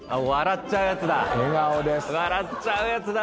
笑っちゃうやつだ。